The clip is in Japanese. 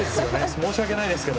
申し訳ないですけど。